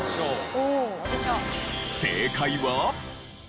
正解は。